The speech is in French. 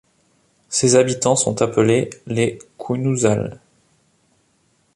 Ses habitants sont appelés les Counouzals.